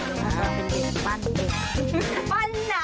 เราเป็นเด็กปั้นเด็ก